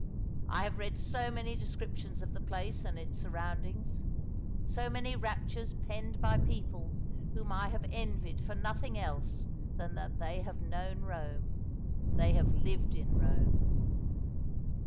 I have read so many descriptions of the place and its sur roundings — so many raptures penned by people whom I have envied for nothing else than that they have known Rome ; they have lived in Rome."